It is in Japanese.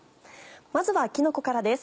まずはきのこからです。